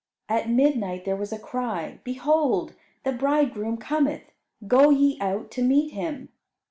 At midnight there was a cry, "Behold, the bridegroom cometh; go ye out to meet him."